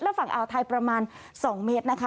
และฝั่งอ่าวไทยประมาณ๒เมตรนะคะ